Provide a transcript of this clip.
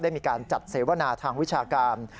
มีการจัดเสวนาทางวิชาการ